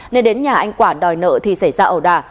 nên đến nhà anh quả đòi nợ thì xảy ra ẩu đà